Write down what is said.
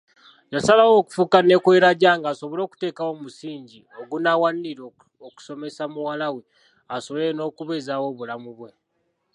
Yasalawo okufuuka neekolera gyange asobole okuteekawo omusingi ogunaawanirira okusomesa muwala we asobole n'okubeezaawo obulamu bwe.